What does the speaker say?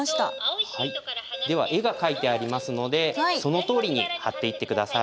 では絵が描いてありますのでそのとおりに貼っていって下さい。